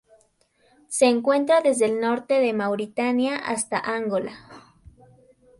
Se encuentra desde el norte de Mauritania hasta Angola.